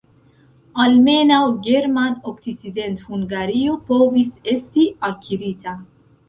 Almenaŭ German-Okcidenthungario povis esti akirita.